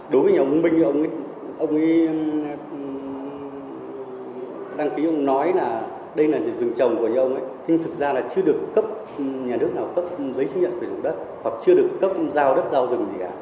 đối với nhà ông minh ông ấy đăng ký ông nói là đây là rừng trồng của nhà ông ấy nhưng thực ra là chưa được cấp nhà nước nào cấp giấy chứng nhận về rừng đất hoặc chưa được cấp giao đất giao rừng gì cả